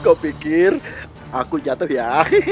kau pikir aku jatuh ya